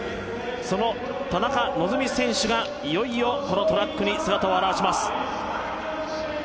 その田中希実選手がいよいよトラックに姿を現します。